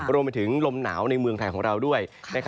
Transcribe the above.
รวมไปถึงลมหนาวในเมืองไทยของเราด้วย